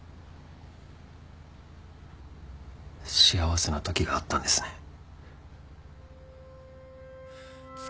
幸せなときがあったんですね。